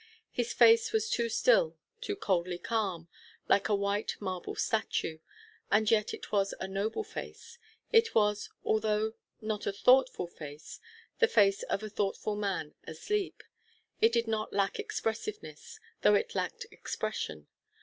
His face was too still, too coldly calm, like a white marble statue; and yet it was a noble face. It was, although not a thoughtful face, the face of a thoughtful man asleep. It did not lack expressiveness, though it lacked expression.